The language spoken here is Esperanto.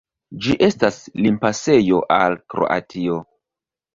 Ĝi estas limpasejo al Kroatio.